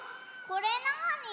これなあに？